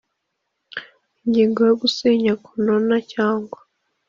Ingingo ya Gusenya konona cyangwa